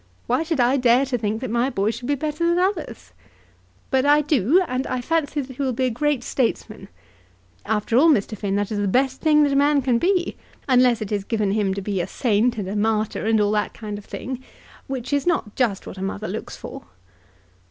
Why should I dare to think that my boy should be better than others? But I do; and I fancy that he will be a great statesman. After all, Mr. Finn, that is the best thing that a man can be, unless it is given him to be a saint and a martyr and all that kind of thing, which is not just what a mother looks for."